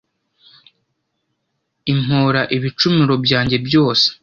Umpora ibicumuro byanjye byose.